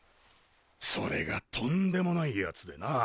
それがとんでもないやつでなあ。